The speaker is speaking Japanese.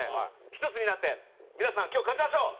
一つになって皆さん今日勝ちましょう！